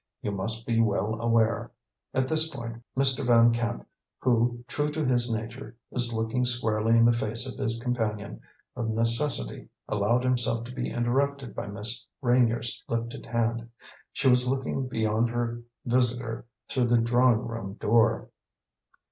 You must be well aware " At this point Mr. Van Camp, who, true to his nature, was looking squarely in the face of his companion, of necessity allowed himself to be interrupted by Miss Reynier's lifted hand. She was looking beyond her visitor through the drawing room door.